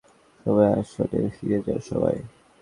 সবাই আসনে ফিরে যাও, সবাই!